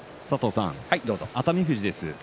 熱海富士です。